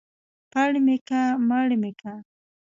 پړ مى که مړ مى که.